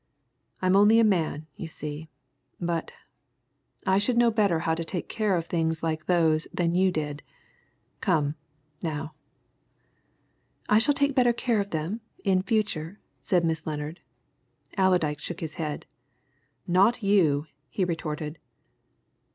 "I'm only a man, you see. But I should know better how to take care of things like these than you did. Come, now!" "I shall take better care of them in future," said Miss Lennard. Allerdyke shook his head, "Not you!" he retorted.